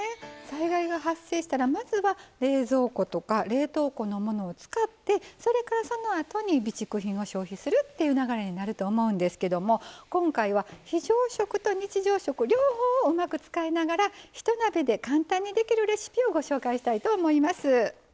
災害が発生したらまずは冷蔵庫とか冷凍庫のものを使ってそれからそのあとに備蓄品を消費するっていう流れになると思うんですけども今回は非常食と日常食両方をうまく使いながらひと鍋で簡単にできるレシピをご紹介したいと思います。